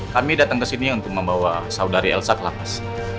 kami datang kesini untuk membawa saudari elsa ke laplas